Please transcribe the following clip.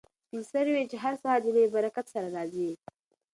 سپین سرې وویل چې هر سهار د نوي برکت سره راځي.